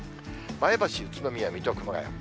前橋、宇都宮、水戸、熊谷。